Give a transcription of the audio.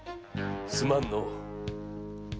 すまんのう。